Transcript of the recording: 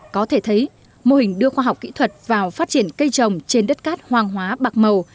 có thể thấy mô hình đưa khoa học kỹ thuật vào phát triển cây trồng trên đất cát hoàng hóa bạc màu